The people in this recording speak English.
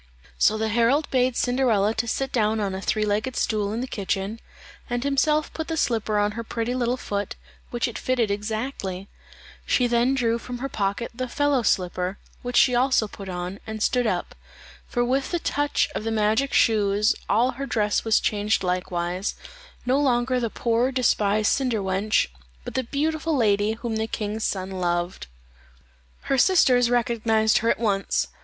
So the herald bade Cinderella sit down on a three legged stool in the kitchen, and himself put the slipper on her pretty little foot, which it fitted exactly; she then drew from her pocket the fellow slipper, which she also put on, and stood up for with the touch of the magic shoes all her dress was changed likewise no longer the poor despised cinder wench, but the beautiful lady whom the king's son loved. Her sisters recognized her at once.